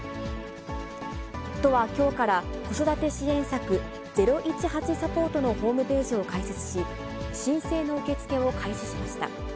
都はきょうから、子育て支援策、０１８サポートのホームページを開設し、申請の受け付けを開始しました。